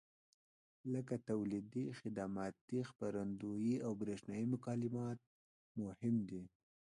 لکه تولیدي، خدماتي، خپرندویي او برېښنایي مکالمات مهم دي.